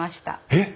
えっ！